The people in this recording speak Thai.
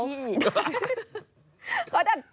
อันนี้อาจจะเจอขี้